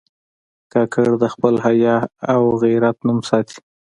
کاکړ د خپل حیا او غیرت نوم ساتي.